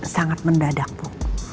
sangat mendadak bu